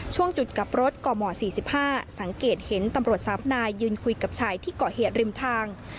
ช่วงจุดกลับรถกม๔๕สังเกตเห็นตำรวจ๓นายยืนคุยกับชายที่เกาะเหตุริมทาง